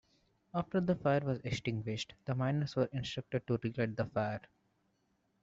After the fire was extinguished, the miners were instructed to relight the fire.